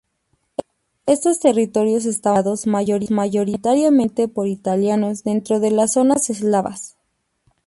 Estos territorios estaban poblados mayoritariamente por italianos dentro de zonas eslavas.